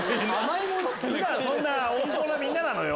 普段温厚なみんななのよ。